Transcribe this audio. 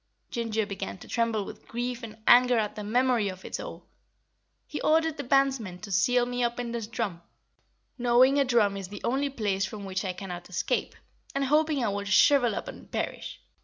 Ginger began to tremble with grief and anger at the memory of it all. "He ordered the bandsmen to seal me up in this drum, knowing a drum is the only place from which I cannot escape, and hoping I would shrivel up and perish.